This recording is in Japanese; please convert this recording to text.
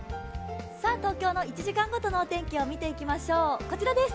東京の１時間ごとの天気を見ていきましょう。